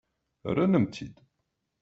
Rran-am-t-id.